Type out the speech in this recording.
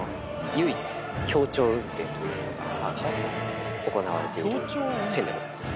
唯一、協調運転というのが行われている線でございます。